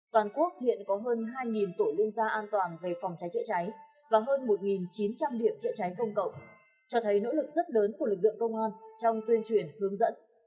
toàn quốc hiện có hơn hai tổ liên gia an toàn về phòng cháy chữa cháy và hơn một chín trăm linh điểm chữa cháy công cộng cho thấy nỗ lực rất lớn của lực lượng công an trong tuyên truyền hướng dẫn